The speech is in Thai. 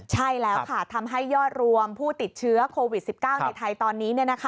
ใช่แล้วค่ะทำให้ยอดรวมผู้ติดเชื้อโควิด๑๙ในไทยตอนนี้